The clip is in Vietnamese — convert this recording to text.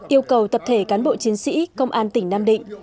yêu cầu tập thể cán bộ chiến sĩ công an tỉnh nam định